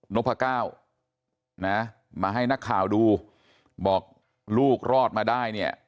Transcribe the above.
นพก้าวนะมาให้นักข่าวดูบอกลูกรอดมาได้เนี่ย